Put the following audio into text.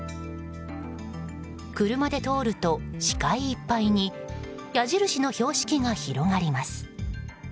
車で通ると、視界いっぱいに矢印の標識が広がります。